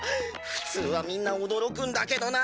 普通はみんな驚くんだけどな。